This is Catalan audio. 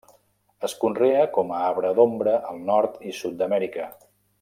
Es conrea com a arbre d'ombra al Nord i Sud d'Amèrica.